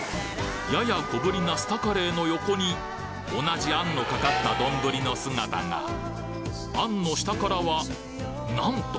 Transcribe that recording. やや小ぶりなスタカレーの横に同じ餡のかかった丼の姿が餡の下からはなんと！